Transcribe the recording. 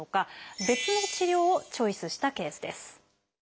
別の治療をチョイスしたケースです。